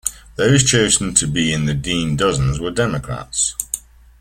Those chosen to be in the Dean Dozens were Democrats.